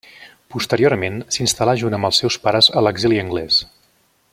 Posteriorment s'instal·là junt amb els seus pares a l'exili anglès.